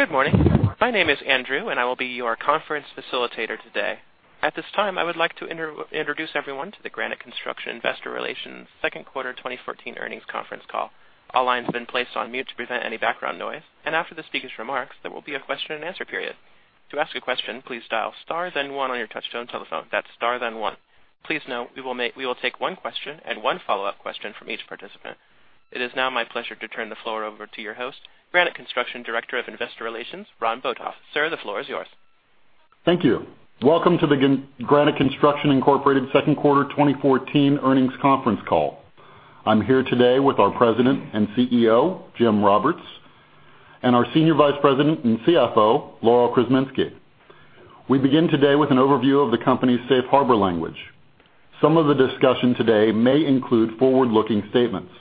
Good morning. My name is Andrew, and I will be your conference facilitator today. At this time, I would like to introduce everyone to the Granite Construction Investor Relations Q2 2014 earnings conference call. All lines have been placed on mute to prevent any background noise, and after the speaker's remarks, there will be a question and answer period. To ask a question, please dial star, then one on your touch-tone telephone. That's star, then one. Please note, we will take one question and one follow-up question from each participant. It is now my pleasure to turn the floor over to your host, Granite Construction Director of Investor Relations, Ron Botoff. Sir, the floor is yours. Thank you. Welcome to the Granite Construction Incorporated Q2 2014 earnings conference call. I'm here today with our President and CEO, Jim Roberts, and our Senior Vice President and CFO, Laurel Krzeminski. We begin today with an overview of the company's Safe Harbor language. Some of the discussion today may include forward-looking statements.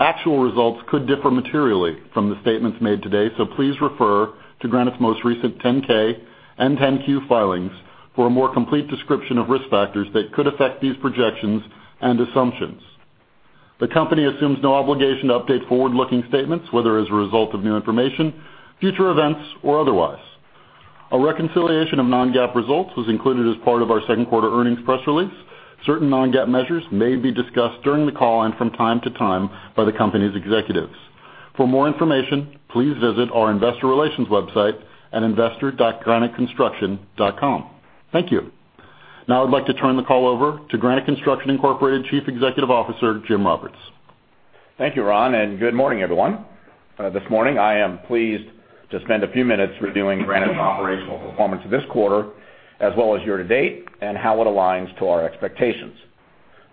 Actual results could differ materially from the statements made today, so please refer to Granite's most recent 10-K and 10-Q filings for a more complete description of risk factors that could affect these projections and assumptions. The company assumes no obligation to update forward-looking statements, whether as a result of new information, future events, or otherwise. A reconciliation of non-GAAP results was included as part of our Q2 earnings press release. Certain non-GAAP measures may be discussed during the call and from time to time by the company's executives. For more information, please visit our Investor Relations website at investor.graniteconstruction.com. Thank you. Now I'd like to turn the call over to Granite Construction Incorporated Chief Executive Officer, Jim Roberts. Thank you, Ron, and good morning, everyone. This morning, I am pleased to spend a few minutes reviewing Granite's operational performance this quarter, as well as year to date, and how it aligns to our expectations.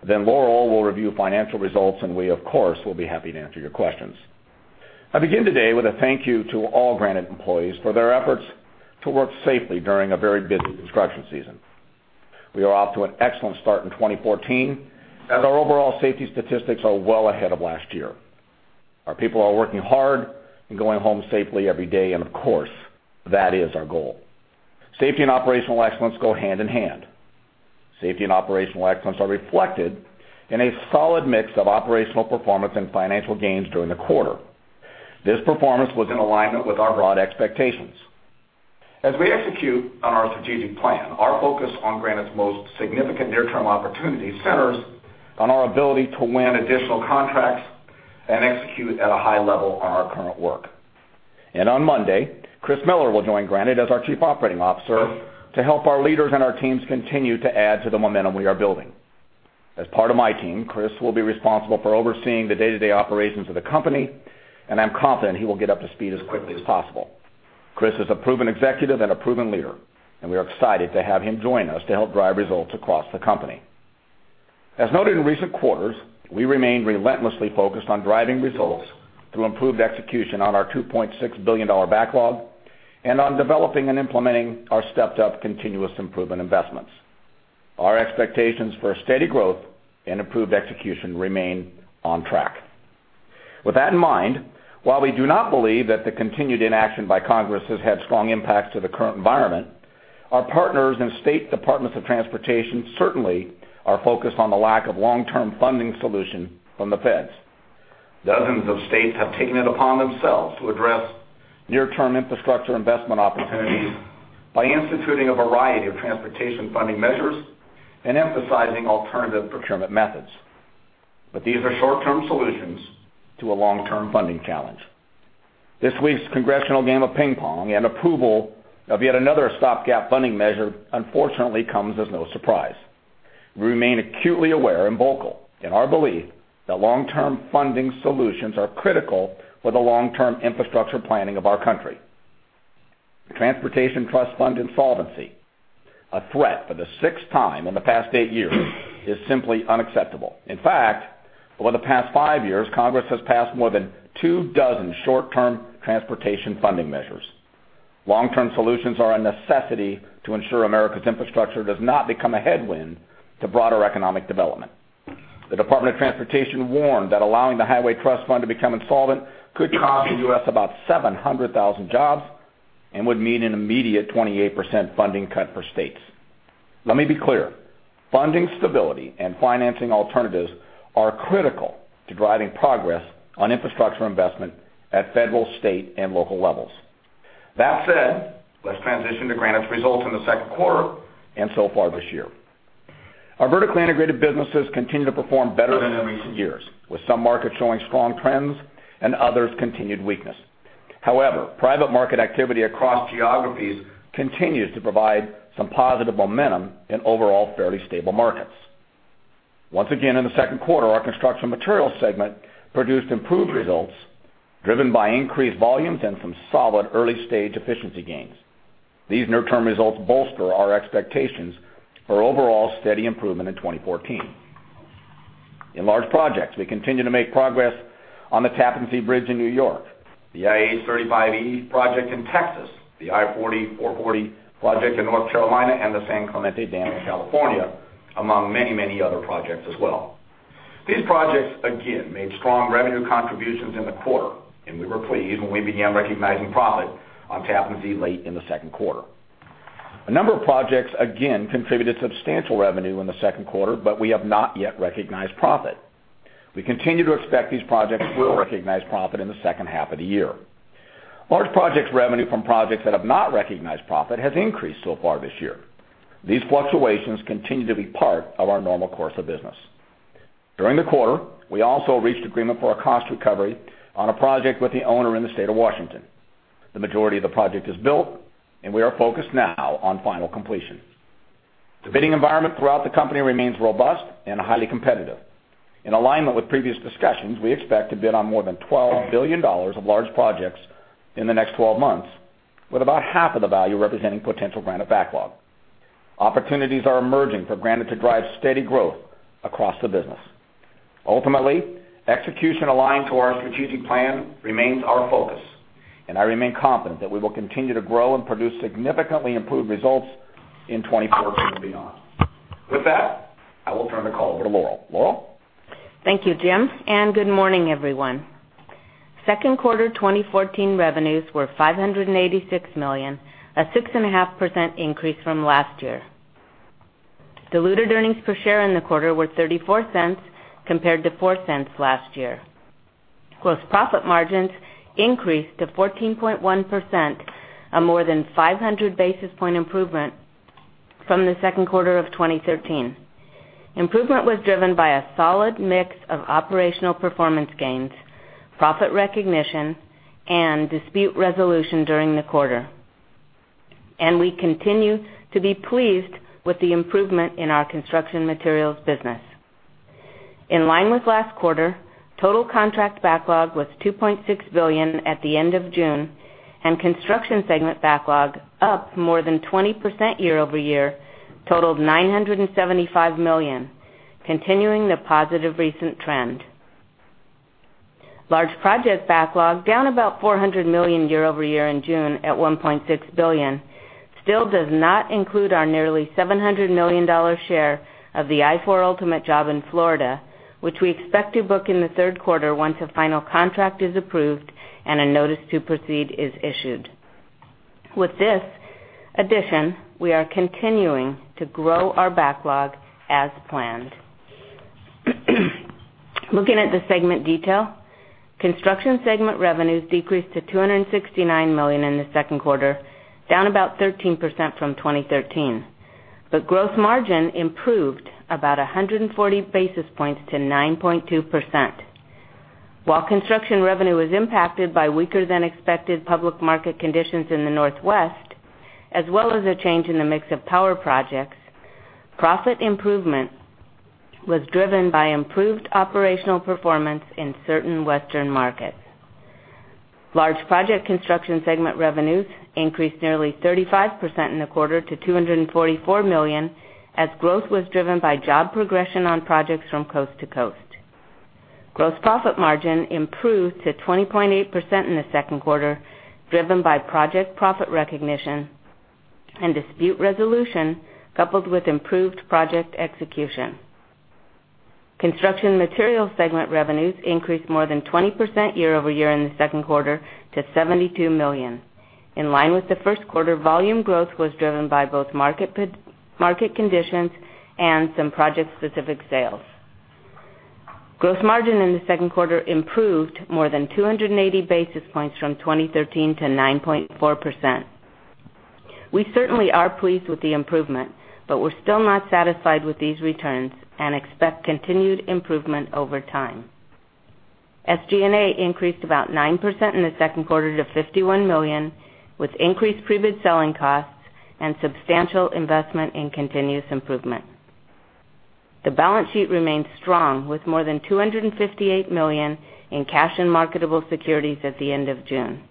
Then Laurel will review financial results, and we, of course, will be happy to answer your questions. I begin today with a thank you to all Granite employees for their efforts to work safely during a very busy construction season. We are off to an excellent start in 2014, as our overall safety statistics are well ahead of last year. Our people are working hard and going home safely every day, and of course, that is our goal. Safety and operational excellence go hand in hand. Safety and operational excellence are reflected in a solid mix of operational performance and financial gains during the quarter. This performance was in alignment with our broad expectations. As we execute on our strategic plan, our focus on Granite's most significant near-term opportunity centers on our ability to win additional contracts and execute at a high level on our current work. On Monday, Chris Miller will join Granite as our Chief Operating Officer to help our leaders and our teams continue to add to the momentum we are building. As part of my team, Chris will be responsible for overseeing the day-to-day operations of the company, and I'm confident he will get up to speed as quickly as possible. Chris is a proven executive and a proven leader, and we are excited to have him join us to help drive results across the company. As noted in recent quarters, we remained relentlessly focused on driving results through improved execution on our $2.6 billion backlog and on developing and implementing our stepped-up continuous improvement investments. Our expectations for steady growth and improved execution remain on track. With that in mind, while we do not believe that the continued inaction by Congress has had strong impacts to the current environment, our partners and state departments of transportation certainly are focused on the lack of long-term funding solution from the feds. Dozens of states have taken it upon themselves to address near-term infrastructure investment opportunities by instituting a variety of transportation funding measures and emphasizing alternative procurement methods. These are short-term solutions to a long-term funding challenge. This week's congressional game of ping-pong and approval of yet another stopgap funding measure, unfortunately, comes as no surprise. We remain acutely aware and vocal in our belief that long-term funding solutions are critical for the long-term infrastructure planning of our country. The Transportation Trust Fund insolvency, a threat for the sixth time in the past 8 years, is simply unacceptable. In fact, over the past 5 years, Congress has passed more than two dozen short-term transportation funding measures. Long-term solutions are a necessity to ensure America's infrastructure does not become a headwind to broader economic development. The Department of Transportation warned that allowing the Highway Trust Fund to become insolvent could cost the U.S. about 700,000 jobs and would mean an immediate 28% funding cut for states. Let me be clear: funding stability and financing alternatives are critical to driving progress on infrastructure investment at federal, state, and local levels. That said, let's transition to Granite's results in the Q2 and so far this year. Our vertically integrated businesses continue to perform better than in recent years, with some markets showing strong trends and others continued weakness. However, private market activity across geographies continues to provide some positive momentum in overall fairly stable markets. Once again, in the Q2, our construction materials segment produced improved results driven by increased volumes and some solid early-stage efficiency gains. These near-term results bolster our expectations for overall steady improvement in 2014. In large projects, we continue to make progress on the Tappan Zee Bridge in New York, the IH 35E project in Texas, the I-40/I-440 project in North Carolina, and the San Clemente Dam in California, among many, many other projects as well. These projects, again, made strong revenue contributions in the quarter, and we were pleased when we began recognizing profit on Tappan Zee late in the Q2. A number of projects, again, contributed substantial revenue in the Q2, but we have not yet recognized profit. We continue to expect these projects will recognize profit in the H2 of the year. Large projects' revenue from projects that have not recognized profit has increased so far this year. These fluctuations continue to be part of our normal course of business. During the quarter, we also reached agreement for a cost recovery on a project with the owner in the state of Washington. The majority of the project is built, and we are focused now on final completion. The bidding environment throughout the company remains robust and highly competitive. In alignment with previous discussions, we expect to bid on more than $12 billion of large projects in the next 12 months, with about half of the value representing potential Granite backlog. Opportunities are emerging for Granite to drive steady growth across the business. Ultimately, execution aligned to our strategic plan remains our focus, and I remain confident that we will continue to grow and produce significantly improved results in 2014 and beyond. With that, I will turn the call over to Laurel. Laurel? Thank you, Jim. Good morning, everyone. Second quarter 2014 revenues were $586 million, a 6.5% increase from last year. Diluted earnings per share in the quarter were $0.34 compared to $0.04 last year. Gross profit margins increased to 14.1%, a more than 500 basis point improvement from the Q2 of 2013. Improvement was driven by a solid mix of operational performance gains, profit recognition, and dispute resolution during the quarter. And we continue to be pleased with the improvement in our construction materials business. In line with last quarter, total contract backlog was $2.6 billion at the end of June, and construction segment backlog, up more than 20% year over year, totaled $975 million, continuing the positive recent trend. Large project backlog, down about $400 million year over year in June at $1.6 billion, still does not include our nearly $700 million share of the I-4 Ultimate job in Florida, which we expect to book in the Q3 once a final contract is approved and a notice to proceed is issued. With this addition, we are continuing to grow our backlog as planned. Looking at the segment detail, construction segment revenues decreased to $269 million in the Q2, down about 13% from 2013. But gross margin improved about 140 basis points to 9.2%. While construction revenue was impacted by weaker-than-expected public market conditions in the northwest, as well as a change in the mix of power projects, profit improvement was driven by improved operational performance in certain western markets. Large project construction segment revenues increased nearly 35% in the quarter to $244 million, as growth was driven by job progression on projects from coast to coast. Gross profit margin improved to 20.8% in the Q2, driven by project profit recognition and dispute resolution coupled with improved project execution. Construction materials segment revenues increased more than 20% quarter-over-quarter in the Q2 to $72 million. In line with the Q1, volume growth was driven by both market conditions and some project-specific sales. Gross margin in the Q2 improved more than 280 basis points from 2013 to 9.4%. We certainly are pleased with the improvement, but we're still not satisfied with these returns and expect continued improvement over time. SG&A increased about 9% in the Q2 to $51 million, with increased pre-bid selling costs and substantial investment in continuous improvement. The balance sheet remained strong, with more than $258 million in cash and marketable securities at the end of June.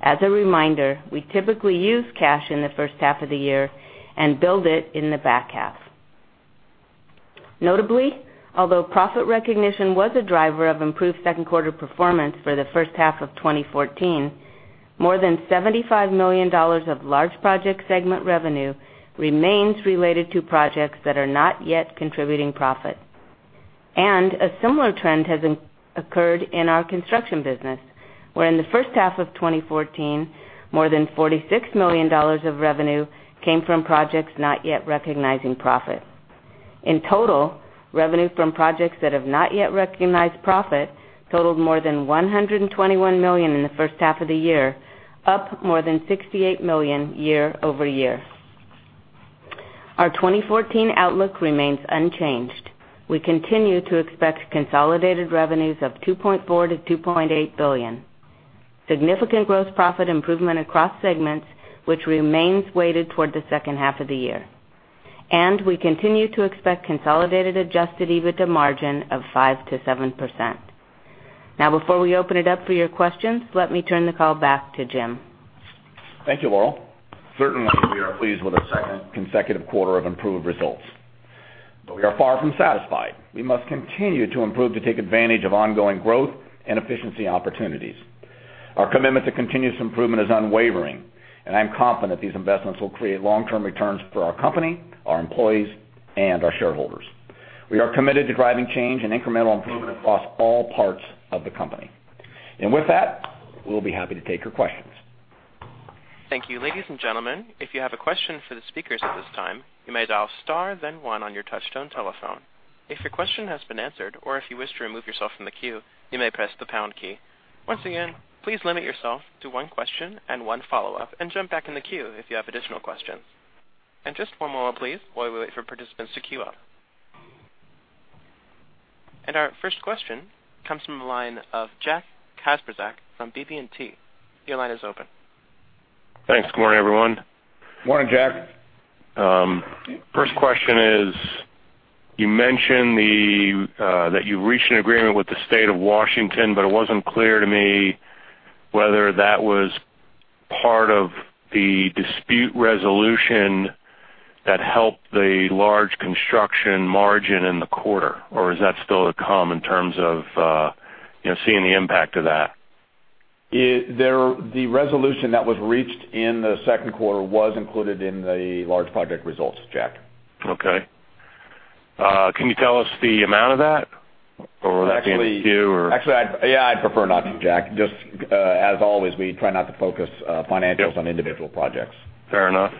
As a reminder, we typically use cash in the H1 of the year and build it in the back half. Notably, although profit recognition was a driver of improved Q2 performance for the H1 of 2014, more than $75 million of large project segment revenue remains related to projects that are not yet contributing profit. A similar trend has occurred in our construction business, where in the H1 of 2014, more than $46 million of revenue came from projects not yet recognizing profit. In total, revenue from projects that have not yet recognized profit totaled more than $121 million in the H1 of the year, up more than $68 million year over year. Our 2014 outlook remains unchanged. We continue to expect consolidated revenues of $2.4-$2.8 billion, significant gross profit improvement across segments, which remains weighted toward the H2 of the year. We continue to expect consolidated adjusted EBITDA margin of 5%-7%. Now, before we open it up for your questions, let me turn the call back to Jim. Thank you, Laurel. Certainly, we are pleased with our second consecutive quarter of improved results. But we are far from satisfied. We must continue to improve to take advantage of ongoing growth and efficiency opportunities. Our commitment to continuous improvement is unwavering, and I'm confident these investments will create long-term returns for our company, our employees, and our shareholders. We are committed to driving change and incremental improvement across all parts of the company. And with that, we'll be happy to take your questions. Thank you. Ladies and gentlemen, if you have a question for the speakers at this time, you may dial star, then one on your touch-tone telephone. If your question has been answered, or if you wish to remove yourself from the queue, you may press the pound key. Once again, please limit yourself to one question and one follow-up, and jump back in the queue if you have additional questions. Just one moment, please, while we wait for participants to queue up. Our first question comes from the line of Jack Kasprzak from BB&T. Your line is open. Thanks. Good morning, everyone. Good morning, Jack. First question is, you mentioned that you reached an agreement with the state of Washington, but it wasn't clear to me whether that was part of the dispute resolution that helped the large construction margin in the quarter. Or is that still to come in terms of seeing the impact of that? The resolution that was reached in the Q2 was included in the large project results, Jack. Okay. Can you tell us the amount of that, or will that be in the queue? Actually, yeah, I'd prefer not to, Jack. Just as always, we try not to focus financials on individual projects. Fair enough.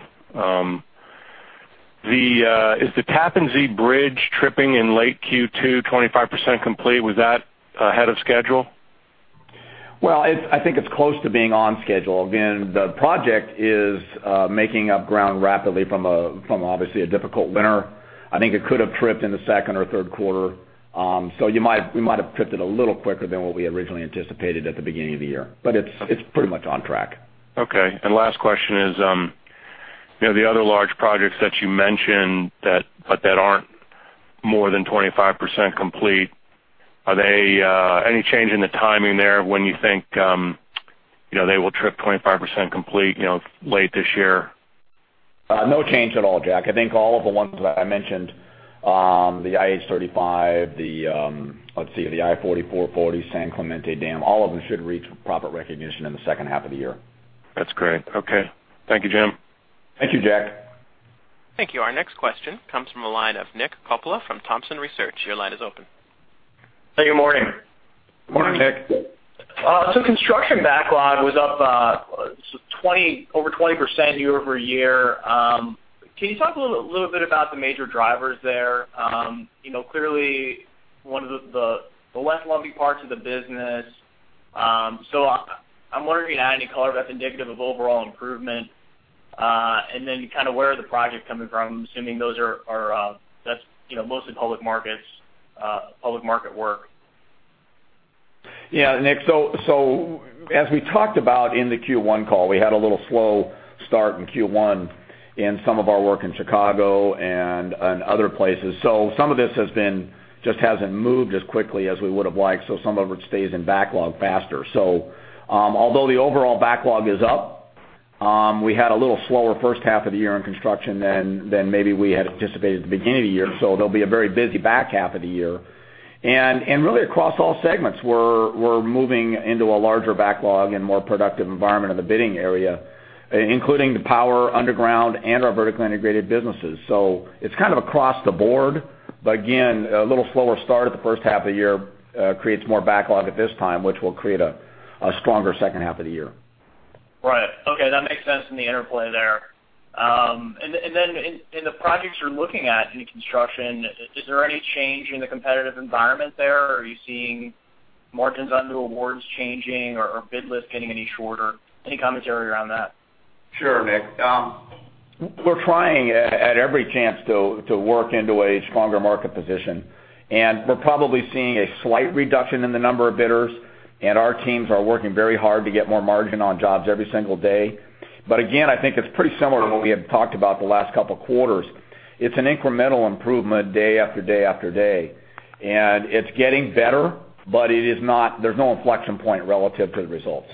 Is the Tappan Zee Bridge tripping in late Q2, 25% complete? Was that ahead of schedule? Well, I think it's close to being on schedule. Again, the project is making up ground rapidly from obviously a difficult winter. I think it could have tripped in the second or Q3. So we might have tripped it a little quicker than what we originally anticipated at the beginning of the year. But it's pretty much on track. Okay. Last question is, the other large projects that you mentioned, but that aren't more than 25% complete, are there any change in the timing there when you think they will trip 25% complete late this year? No change at all, Jack. I think all of the ones that I mentioned, the IH 35E, let's see, the I-40/I-440, San Clemente Dam, all of them should reach profit recognition in the H2 of the year. That's great. Okay. Thank you, Jim. Thank you, Jack. Thank you. Our next question comes from the line of Nick Coppola from Thompson Research. Your line is open. Hey, good morning. Morning, Nick. Construction backlog was up over 20% quarter-over-quarter. Can you talk a little bit about the major drivers there? Clearly, one of the less lumpy parts of the business. I'm wondering if you can add any color that's indicative of overall improvement. Then kind of where are the projects coming from? I'm assuming that's mostly public markets, public market work. Yeah, Nick. So as we talked about in the Q1 call, we had a little slow start in Q1 in some of our work in Chicago and other places. So some of this just hasn't moved as quickly as we would have liked, so some of it stays in backlog faster. So although the overall backlog is up, we had a little slower H1 of the year in construction than maybe we had anticipated at the beginning of the year. So there'll be a very busy back half of the year. And really, across all segments, we're moving into a larger backlog and more productive environment in the bidding area, including the power, underground, and our vertically integrated businesses. So it's kind of across the board. But again, a little slower start at the H1 of the year creates more backlog at this time, which will create a stronger H2 of the year. Right. Okay. That makes sense in the interplay there. And then in the projects you're looking at in construction, is there any change in the competitive environment there? Are you seeing margins on new awards changing or bid lists getting any shorter? Any commentary around that? Sure, Nick. We're trying at every chance to work into a stronger market position. We're probably seeing a slight reduction in the number of bidders. Our teams are working very hard to get more margin on jobs every single day. But again, I think it's pretty similar to what we had talked about the last couple of quarters. It's an incremental improvement day after day after day. It's getting better, but there's no inflection point relative to the results.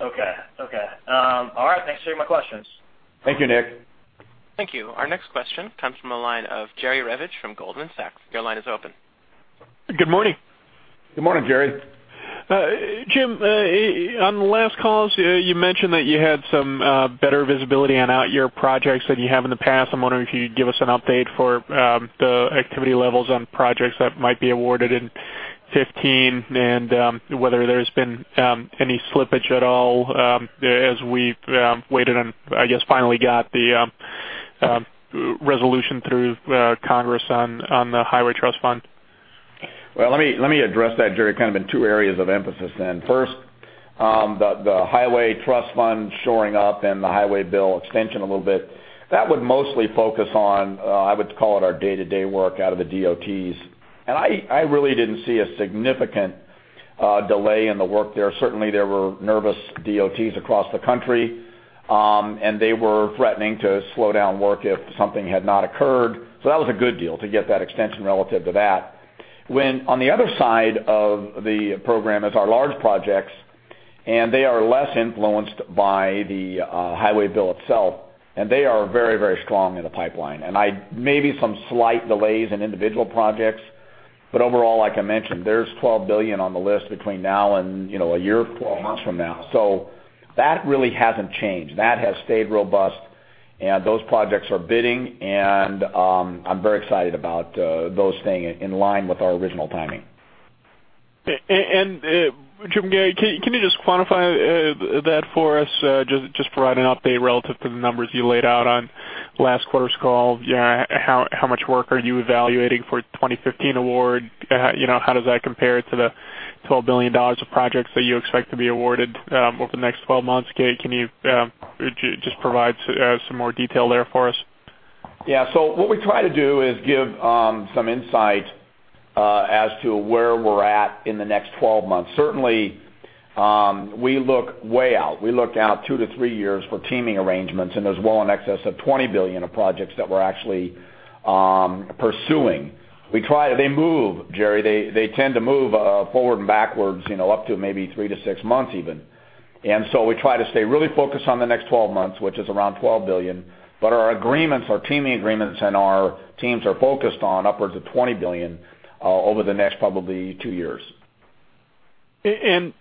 Okay. Okay. All right. Thanks for your questions. Thank you, Nick. Thank you. Our next question comes from the line of Jerry Revich from Goldman Sachs. Your line is open. Good morning. Good morning, Jerry. Jim, on the last calls, you mentioned that you had some better visibility on out-year projects than you have in the past. I'm wondering if you'd give us an update for the activity levels on projects that might be awarded in 2015 and whether there's been any slippage at all as we've waited and, I guess, finally got the resolution through Congress on the Highway Trust Fund. Well, let me address that, Jerry, kind of in two areas of emphasis then. First, the Highway Trust Fund shoring up and the Highway Bill extension a little bit. That would mostly focus on, I would call it, our day-to-day work out of the DOTs. And I really didn't see a significant delay in the work there. Certainly, there were nervous DOTs across the country, and they were threatening to slow down work if something had not occurred. So that was a good deal to get that extension relative to that. On the other side of the program is our large projects, and they are less influenced by the Highway Bill itself. And they are very, very strong in the pipeline. And maybe some slight delays in individual projects. But overall, like I mentioned, there's $12 billion on the list between now and a year, 12 months from now. That really hasn't changed. That has stayed robust. Those projects are bidding. I'm very excited about those staying in line with our original timing. Jim, Jerry can you just quantify that for us, just provide an update relative to the numbers you laid out on last quarter's call? How much work are you evaluating for the 2015 award? How does that compare to the $12 billion of projects that you expect to be awarded over the next 12 months? Can you just provide some more detail there for us? Yeah. So what we try to do is give some insight as to where we're at in the next 12 months. Certainly, we look way out. We look out 2-3 years for teaming arrangements. And there's well in excess of $20 billion of projects that we're actually pursuing. They move, Jerry. They tend to move forward and backwards up to maybe 3-6 months even. And so we try to stay really focused on the next 12 months, which is around $12 billion. But our agreements, our teaming agreements, and our teams are focused on upwards of $20 billion over the next probably 2 years. And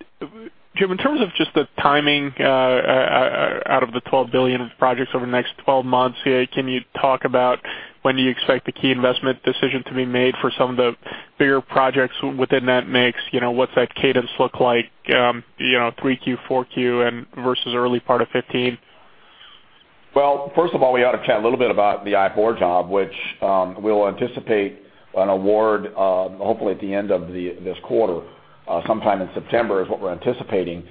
Jim, in terms of just the timing out of the $12 billion projects over the next 12 months, can you talk about when you expect the key investment decision to be made for some of the bigger projects within that mix? What's that cadence look like, 3Q, 4Q versus early part of 2015? Well, first of all, we ought to chat a little bit about the I-4 job, which we'll anticipate an award hopefully at the end of this quarter, sometime in September is what we're anticipating.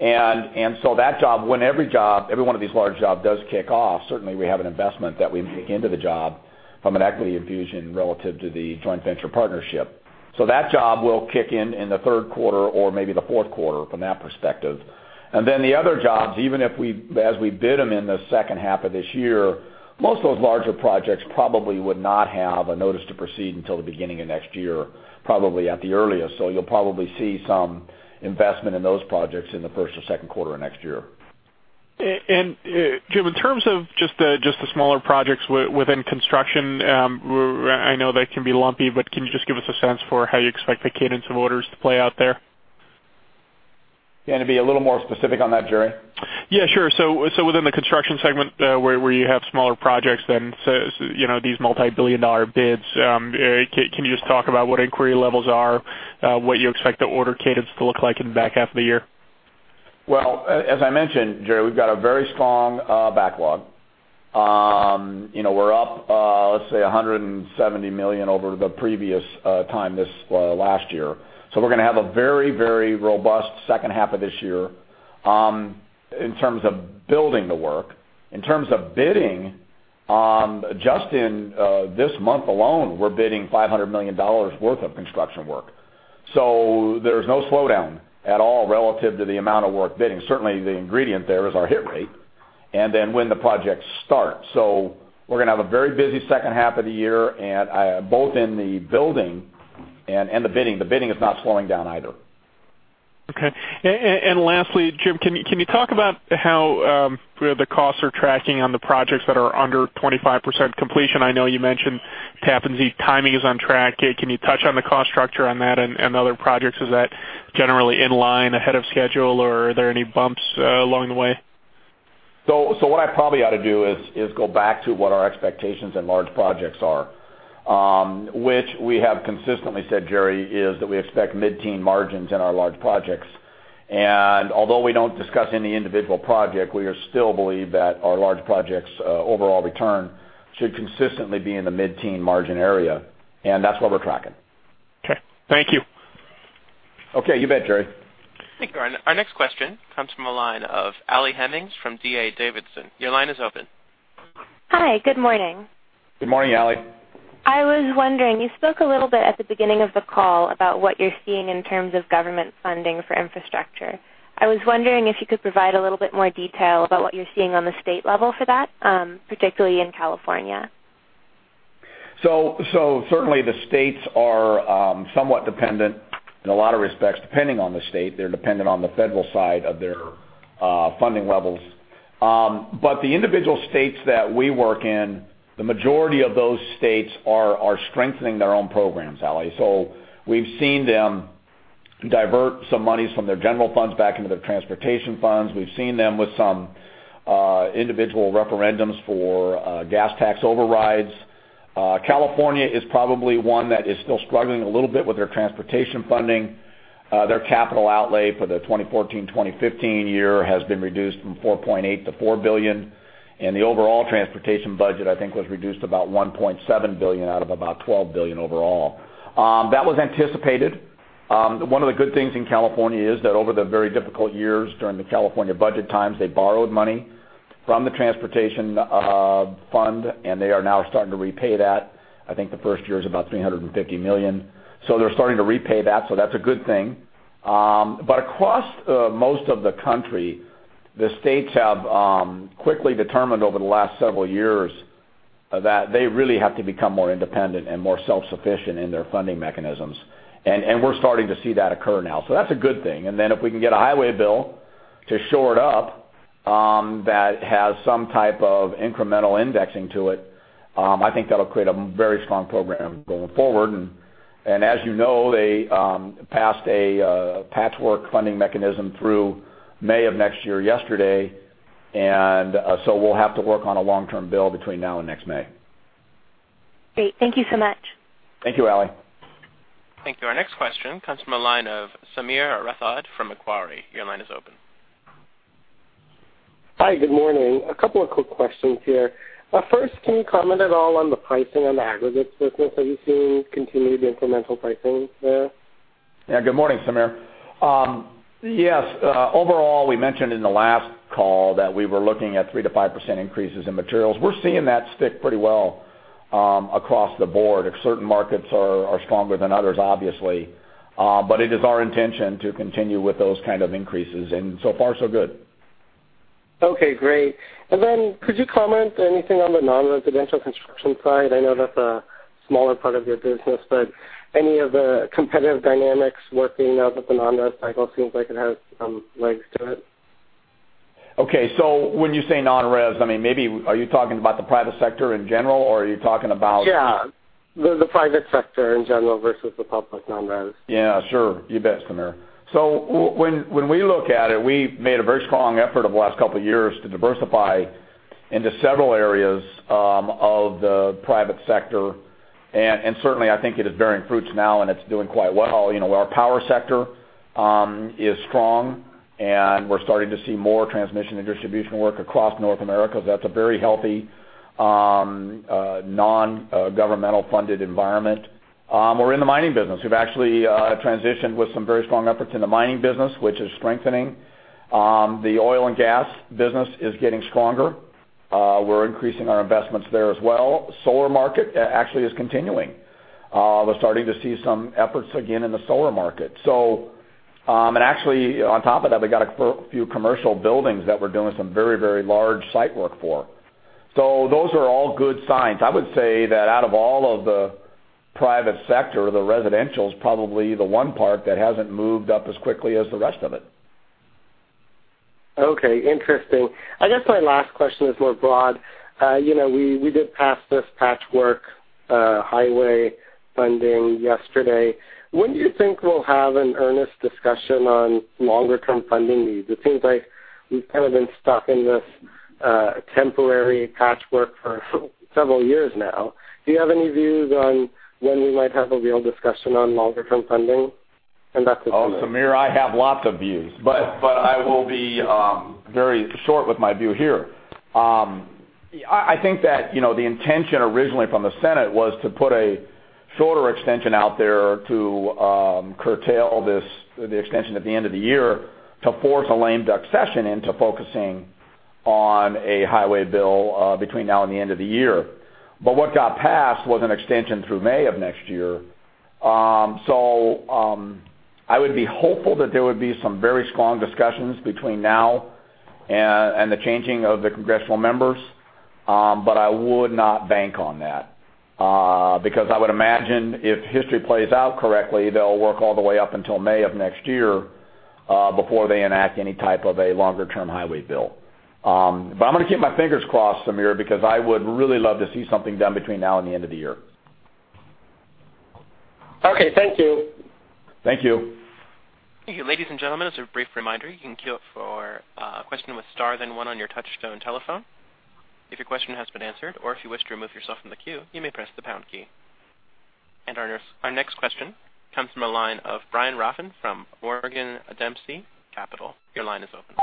And so that job, when every job, every one of these large jobs does kick off, certainly we have an investment that we make into the job from an equity infusion relative to the joint venture partnership. So that job will kick in in the Q3 or maybe the fourth quarter from that perspective. And then the other jobs, even as we bid them in the H2 of this year, most of those larger projects probably would not have a notice to proceed until the beginning of next year, probably at the earliest. So you'll probably see some investment in those projects in the first or Q2 of next year. Jim, in terms of just the smaller projects within construction, I know that can be lumpy, but can you just give us a sense for how you expect the cadence of orders to play out there? Can you be a little more specific on that, Jerry? Yeah, sure. So within the construction segment where you have smaller projects than these multi-billion-dollar bids, can you just talk about what inquiry levels are, what you expect the order cadence to look like in the back half of the year? Well, as I mentioned, Jerry, we've got a very strong backlog. We're up, let's say, $170 million over the previous time this last year. So we're going to have a very, very robust H2 of this year in terms of building the work. In terms of bidding, just in this month alone, we're bidding $500 million worth of construction work. So there's no slowdown at all relative to the amount of work bidding. Certainly, the ingredient there is our hit rate and then when the projects start. So we're going to have a very busy H2 of the year, both in the building and the bidding. The bidding is not slowing down either. Okay. And lastly, Jim, can you talk about how the costs are tracking on the projects that are under 25% completion? I know you mentioned Tappan Zee timing is on track. Can you touch on the cost structure on that and other projects? Is that generally in line ahead of schedule, or are there any bumps along the way? What I probably ought to do is go back to what our expectations in large projects are, which we have consistently said, Jerry, is that we expect mid-teen margins in our large projects. Although we don't discuss any individual project, we still believe that our large projects' overall return should consistently be in the mid-teen margin area. That's what we're tracking. Okay. Thank you. Okay. You bet, Jerry. Thank you. Our next question comes from a line of Allie Hemmings from D.A. Davidson. Your line is open. Hi. Good morning. Good morning, Allie. I was wondering, you spoke a little bit at the beginning of the call about what you're seeing in terms of government funding for infrastructure. I was wondering if you could provide a little bit more detail about what you're seeing on the state level for that, particularly in California? So certainly, the states are somewhat dependent in a lot of respects. Depending on the state, they're dependent on the federal side of their funding levels. But the individual states that we work in, the majority of those states are strengthening their own programs, Alli. So we've seen them divert some monies from their general funds back into their transportation funds. We've seen them with some individual referendums for gas tax overrides. California is probably one that is still struggling a little bit with their transportation funding. Their capital outlay for the 2014-2015 year has been reduced from $4.8 billion to $4 billion. And the overall transportation budget, I think, was reduced to about $1.7 billion out of about $12 billion overall. That was anticipated. One of the good things in California is that over the very difficult years during the California budget times, they borrowed money from the transportation fund, and they are now starting to repay that. I think the first year is about $350 million. So they're starting to repay that. So that's a good thing. But across most of the country, the states have quickly determined over the last several years that they really have to become more independent and more self-sufficient in their funding mechanisms. And we're starting to see that occur now. So that's a good thing. And then if we can get a Highway Bill to shore it up that has some type of incremental indexing to it, I think that'll create a very strong program going forward. And as you know, they passed a patchwork funding mechanism through May of next year yesterday. We'll have to work on a long-term bill between now and next May. Great. Thank you so much. Thank you, Alli. Thank you. Our next question comes from a line of Sameer Rathod from Macquarie. Your line is open. Hi. Good morning. A couple of quick questions here. First, can you comment at all on the pricing on the aggregates business that you've seen continue the incremental pricing there? Yeah. Good morning, Samir. Yes. Overall, we mentioned in the last call that we were looking at 3%-5% increases in materials. We're seeing that stick pretty well across the board. Certain markets are stronger than others, obviously. But it is our intention to continue with those kinds of increases. And so far, so good. Okay. Great. And then could you comment anything on the non-residential construction side? I know that's a smaller part of your business, but any of the competitive dynamics working now that the non-res cycle seems like it has some legs to it? Okay. So when you say non-res, I mean, maybe are you talking about the private sector in general, or are you talking about? Yeah. The private sector in general versus the public non-res. Yeah. Sure. You bet, Samir. So when we look at it, we've made a very strong effort over the last couple of years to diversify into several areas of the private sector. And certainly, I think it is bearing fruits now, and it's doing quite well. Our power sector is strong, and we're starting to see more transmission and distribution work across North America because that's a very healthy non-governmental funded environment. We're in the mining business. We've actually transitioned with some very strong efforts in the mining business, which is strengthening. The oil and gas business is getting stronger. We're increasing our investments there as well. Solar market actually is continuing. We're starting to see some efforts again in the solar market. And actually, on top of that, we got a few commercial buildings that we're doing some very, very large site work for. So those are all good signs. I would say that out of all of the private sector, the residential is probably the one part that hasn't moved up as quickly as the rest of it. Okay. Interesting. I guess my last question is more broad. We did pass this patchwork highway funding yesterday. When do you think we'll have an earnest discussion on longer-term funding needs? It seems like we've kind of been stuck in this temporary patchwork for several years now. Do you have any views on when we might have a real discussion on longer-term funding? And that's a similar question. Oh, Sameer, I have lots of views, but I will be very short with my view here. I think that the intention originally from the Senate was to put a shorter extension out there to curtail the extension at the end of the year to force a lame duck session into focusing on a Highway Bill between now and the end of the year. But what got passed was an extension through May of next year. So I would be hopeful that there would be some very strong discussions between now and the changing of the congressional members, but I would not bank on that. Because I would imagine if history plays out correctly, they'll work all the way up until May of next year before they enact any type of a longer-term Highway Bill. I'm going to keep my fingers crossed, Samir, because I would really love to see something done between now and the end of the year. Okay. Thank you. Thank you. Thank you. Ladies and gentlemen, as a brief reminder, you can queue up for a question with star one on your touch-tone telephone. If your question has been answered, or if you wish to remove yourself from the queue, you may press the pound key. Our next question comes from a line of Brian Rafn from Morgan Dempsey Capital Management. Your line is open.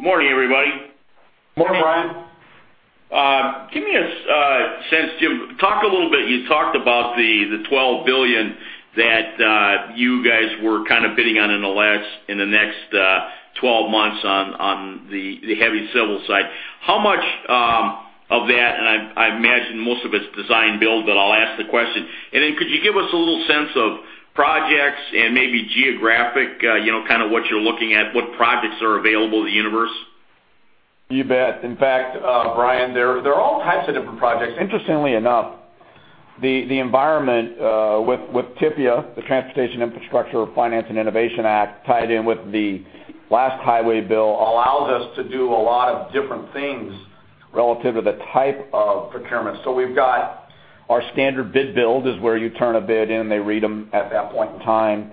Good morning, everybody. Morning, Brian. Give me a sense, Jim. Talk a little bit. You talked about the $12 billion that you guys were kind of bidding on in the next 12 months on the heavy civil side. How much of that, and I imagine most of it's design-build, but I'll ask the question. And then could you give us a little sense of projects and maybe geographic, kind of what you're looking at, what projects are available in the universe? You bet. In fact, Brian, there are all types of different projects. Interestingly enough, the environment with TIFIA, the Transportation Infrastructure Finance and Innovation Act, tied in with the last Highway Bill, allows us to do a lot of different things relative to the type of procurement. So we've got our standard bid build is where you turn a bid in, and they read them at that point in time.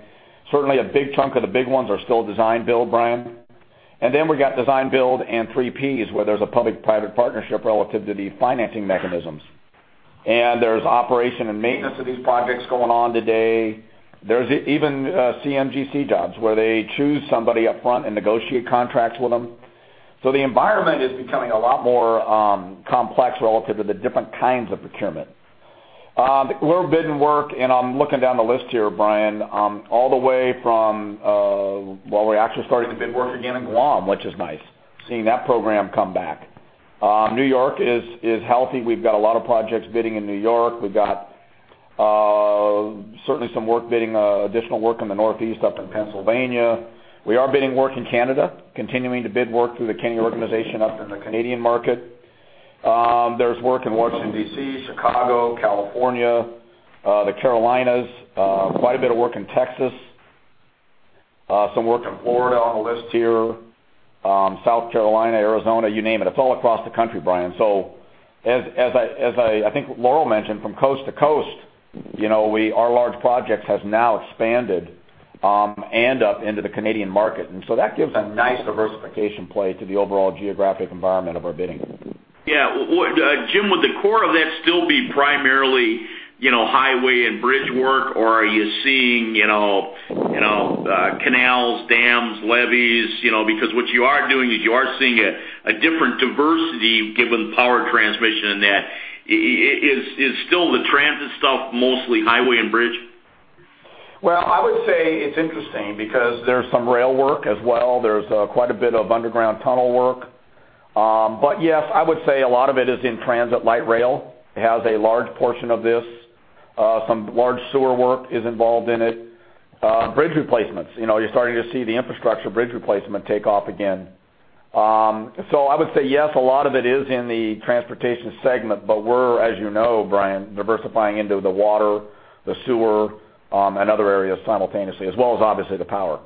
Certainly, a big chunk of the big ones are still design-build, Brian. And then we've got design-build and P3s where there's a public-private partnership relative to the financing mechanisms. And there's operation and maintenance of these projects going on today. There's even CMGC jobs where they choose somebody upfront and negotiate contracts with them. So the environment is becoming a lot more complex relative to the different kinds of procurement. We're bidding work, and I'm looking down the list here, Brian, all the way from, well, we're actually starting to bid work again in Guam, which is nice. Seeing that program come back. New York is healthy. We've got a lot of projects bidding in New York. We've got certainly some work bidding, additional work in the Northeast up in Pennsylvania. We are bidding work in Canada, continuing to bid work through the Kenny organization up in the Canadian market. There's work in Washington, D.C., Chicago, California, the Carolinas, quite a bit of work in Texas, some work in Florida on the list here, South Carolina, Arizona, you name it. It's all across the country, Brian. So as I think Laurel mentioned, from coast to coast, our large projects have now expanded and up into the Canadian market. That gives a nice diversification play to the overall geographic environment of our bidding. Yeah. Jim, would the core of that still be primarily highway and bridge work, or are you seeing canals, dams, levees? Because what you are doing is you are seeing a different diversity given power transmission in that. Is still the transit stuff mostly highway and bridge? Well, I would say it's interesting because there's some rail work as well. There's quite a bit of underground tunnel work. But yes, I would say a lot of it is in transit light rail. It has a large portion of this. Some large sewer work is involved in it. Bridge replacements. You're starting to see the infrastructure bridge replacement take off again. So I would say yes, a lot of it is in the transportation segment, but we're, as you know, Brian, diversifying into the water, the sewer, and other areas simultaneously, as well as obviously the power.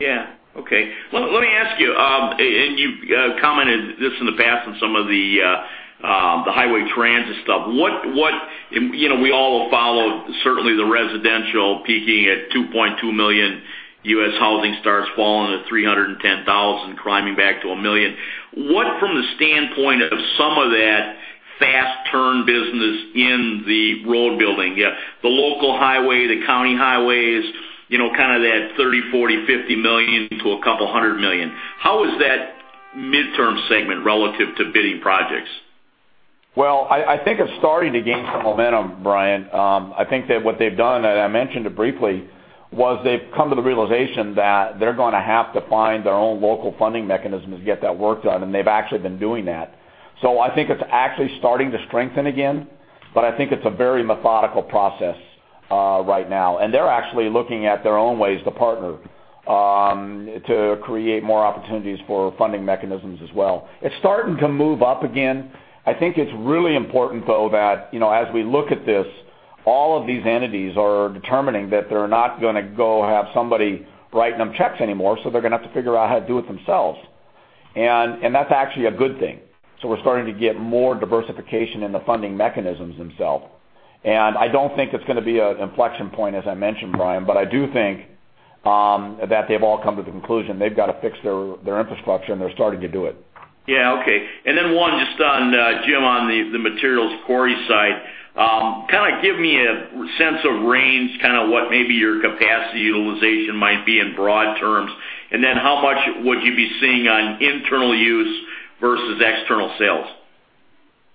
Yeah. Okay. Let me ask you, and you've commented this in the past on some of the highway transit stuff. We all follow certainly the residential peaking at 2.2 million. U.S. housing starts falling to 310,000, climbing back to 1 million. What, from the standpoint of some of that fast turn business in the road building, the local highway, the county highways, kind of that $30 million, $40 million, $50 million to a couple hundred million, how is that midterm segment relative to bidding projects? Well, I think it's starting to gain some momentum, Brian. I think that what they've done, and I mentioned it briefly, was they've come to the realization that they're going to have to find their own local funding mechanism to get that work done. And they've actually been doing that. So I think it's actually starting to strengthen again, but I think it's a very methodical process right now. And they're actually looking at their own ways to partner to create more opportunities for funding mechanisms as well. It's starting to move up again. I think it's really important though that as we look at this, all of these entities are determining that they're not going to go have somebody writing them checks anymore. So they're going to have to figure out how to do it themselves. And that's actually a good thing. We're starting to get more diversification in the funding mechanisms themselves. I don't think it's going to be an inflection point, as I mentioned, Brian, but I do think that they've all come to the conclusion they've got to fix their infrastructure, and they're starting to do it. Yeah. Okay. And then one, just on, Jim, on the materials quarry side, kind of give me a sense of range, kind of what maybe your capacity utilization might be in broad terms? And then how much would you be seeing on internal use versus external sales?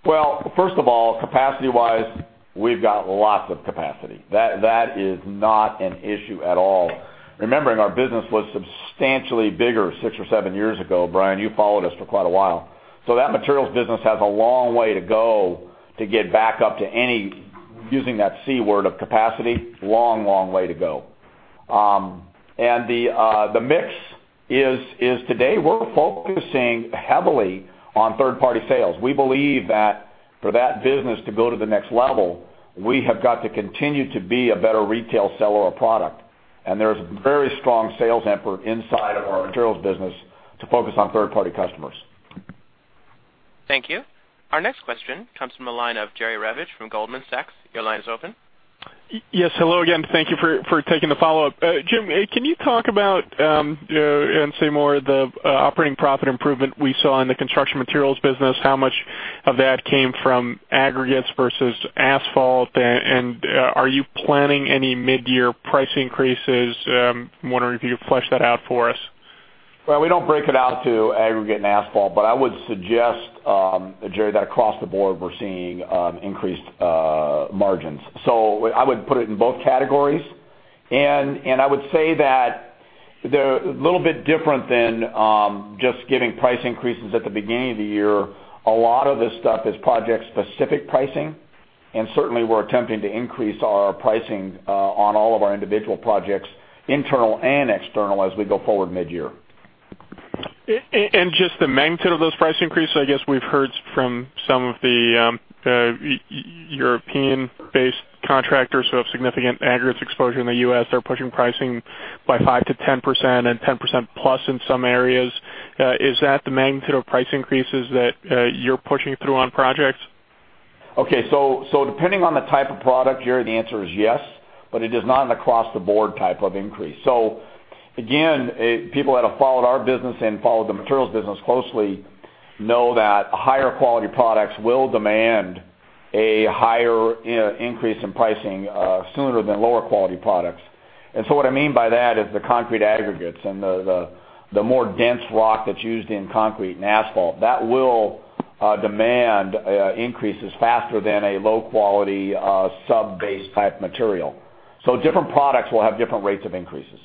Well, first of all, capacity-wise, we've got lots of capacity. That is not an issue at all. Remembering, our business was substantially bigger six or seven years ago, Brian. You followed us for quite a while. So that materials business has a long way to go to get back up to any, using that C word of capacity, long, long way to go. And the mix is today we're focusing heavily on third-party sales. We believe that for that business to go to the next level, we have got to continue to be a better retail seller of product. And there is a very strong sales effort inside of our materials business to focus on third-party customers. Thank you. Our next question comes from a line of Jerry Revich from Goldman Sachs. Your line is open. Yes. Hello again. Thank you for taking the follow-up. Jim, can you talk about and say more of the operating profit improvement we saw in the construction materials business? How much of that came from aggregates versus asphalt? And are you planning any mid-year price increases? I'm wondering if you could flesh that out for us. Well, we don't break it out to aggregate and asphalt, but I would suggest, Jerry, that across the board, we're seeing increased margins. So I would put it in both categories. And I would say that they're a little bit different than just giving price increases at the beginning of the year. A lot of this stuff is project-specific pricing. And certainly, we're attempting to increase our pricing on all of our individual projects, internal and external, as we go forward mid-year. Just the magnitude of those price increases, I guess we've heard from some of the European-based contractors who have significant aggregates exposure in the U.S. They're pushing pricing by 5%-10% and 10%+ in some areas. Is that the magnitude of price increases that you're pushing through on projects? Okay. So depending on the type of product, Jerry, the answer is yes, but it is not an across-the-board type of increase. So again, people that have followed our business and followed the materials business closely know that higher quality products will demand a higher increase in pricing sooner than lower quality products. And so what I mean by that is the concrete aggregates and the more dense rock that's used in concrete and asphalt. That will demand increases faster than a low-quality sub-based type material. So different products will have different rates of increases.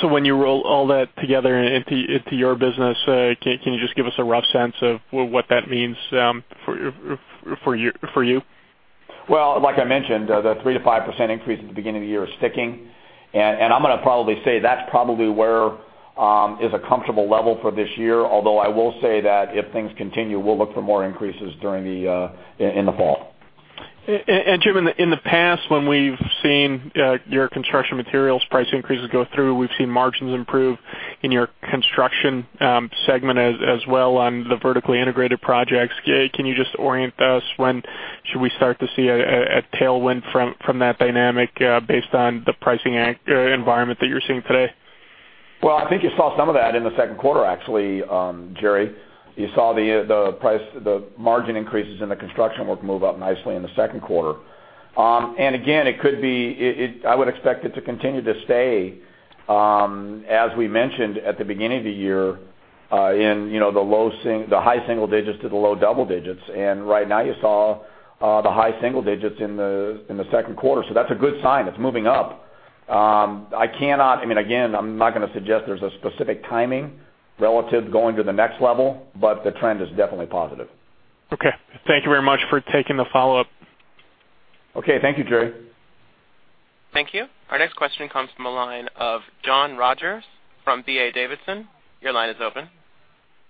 So when you roll all that together into your business, can you just give us a rough sense of what that means for you? Well, like I mentioned, the 3%-5% increase at the beginning of the year is sticking. I'm going to probably say that's probably where is a comfortable level for this year. Although I will say that if things continue, we'll look for more increases in the fall. Jim, in the past, when we've seen your construction materials price increases go through, we've seen margins improve in your construction segment as well on the vertically integrated projects. Can you just orient us when should we start to see a tailwind from that dynamic based on the pricing environment that you're seeing today? Well, I think you saw some of that in the Q2, actually, Jerry. You saw the margin increases in the construction work move up nicely in the Q2. And again, it could be I would expect it to continue to stay, as we mentioned at the beginning of the year, in the high single digits to the low double digits. And right now, you saw the high single digits in the Q2. So that's a good sign. It's moving up. I mean, again, I'm not going to suggest there's a specific timing relative going to the next level, but the trend is definitely positive. Okay. Thank you very much for taking the follow-up. Okay. Thank you, Jerry. Thank you. Our next question comes from a line of John Rogers from D.A. Davidson. Your line is open.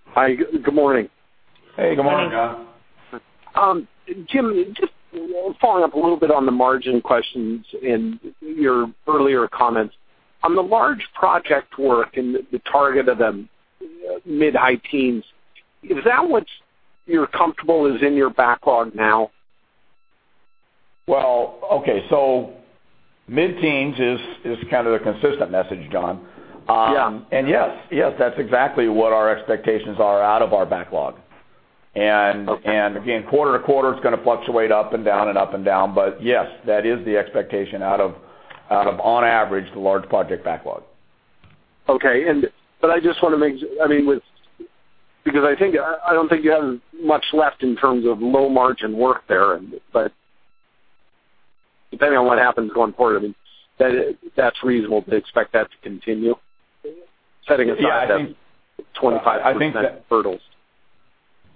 Hi. Good morning. Hey. Good morning. How's it going? Jim, just following up a little bit on the margin questions and your earlier comments. On the large project work and the target of them, mid-high teens, is that what you're comfortable is in your backlog now? Well, okay. So mid-teens is kind of the consistent message, John. And yes, yes, that's exactly what our expectations are out of our backlog. And again, quarter to quarter, it's going to fluctuate up and down and up and down. But yes, that is the expectation out of, on average, the large project backlog. Okay. But I just want to make sure, I mean, because I think I don't think you have much left in terms of low margin work there. But depending on what happens going forward, I mean, that's reasonable to expect that to continue. Setting aside that $25,000 hurdles.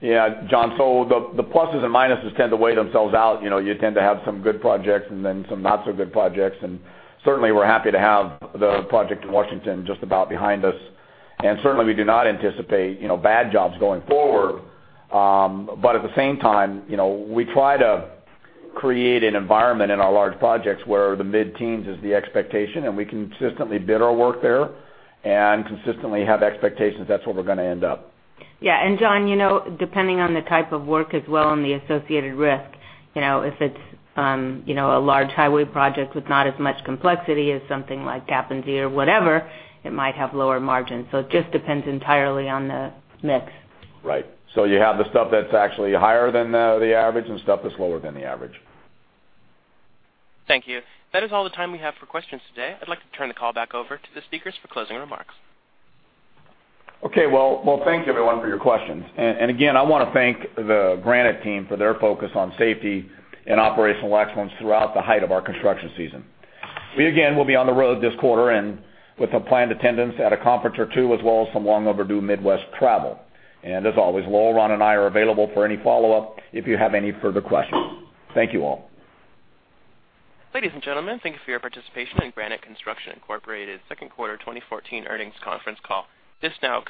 Yeah. John. So the pluses and minuses tend to weigh themselves out. You tend to have some good projects and then some not-so-good projects. And certainly, we're happy to have the project in Washington just about behind us. And certainly, we do not anticipate bad jobs going forward. But at the same time, we try to create an environment in our large projects where the mid-teens is the expectation. And we consistently bid our work there and consistently have expectations that's where we're going to end up. Yeah. And John, depending on the type of work as well and the associated risk, if it's a large highway project with not as much complexity as something like Tappan Zee or whatever, it might have lower margins. So it just depends entirely on the mix. Right. So you have the stuff that's actually higher than the average and stuff that's lower than the average. Thank you. That is all the time we have for questions today. I'd like to turn the call back over to the speakers for closing remarks. Okay. Well, thank you, everyone, for your questions. And again, I want to thank the Granite Team for their focus on safety and operational excellence throughout the height of our construction season. We, again, will be on the road this quarter end with a planned attendance at a conference or two, as well as some long-overdue Midwest travel. And as always, Laurel, Ron and I are available for any follow-up if you have any further questions. Thank you all. Ladies and gentlemen, thank you for your participation in Granite Construction Incorporated's Q2 2014 earnings conference call. This now.